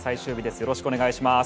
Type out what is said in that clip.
よろしくお願いします。